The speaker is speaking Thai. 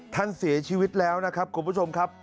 ท่านเสียชีวิตแล้วนะครับคุณผู้ชมครับ